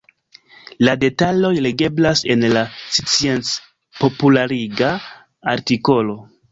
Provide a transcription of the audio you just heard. La detaloj legeblas en la sciencpopulariga artikolo.